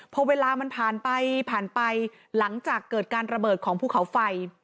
พอเวลามันผ่านไปผ่านไปหลังจากเกิดการระเบิดของภูเขาไฟ